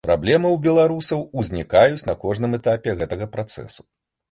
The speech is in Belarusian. Праблемы ў беларусаў узнікаюць на кожным этапе гэтага працэсу.